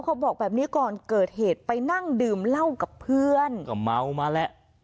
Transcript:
เขาบอกแบบนี้ก่อนเกิดเหตุไปนั่งดื่มเหล้ากับเพื่อนก็เมามาแหละ